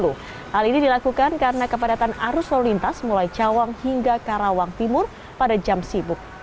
hal ini dilakukan karena kepadatan arus lalu lintas mulai cawang hingga karawang timur pada jam sibuk